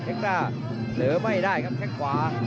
เอ็กต้าเหลือไม่ได้ครับแข้งขวา